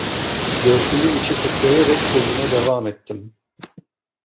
Göğsümün içi titreyerek, sözüme devam ettim.